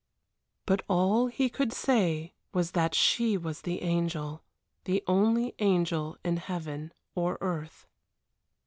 But all he could say was that she was the angel, the only angel in heaven or earth.